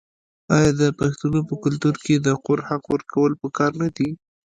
آیا د پښتنو په کلتور کې د خور حق ورکول پکار نه دي؟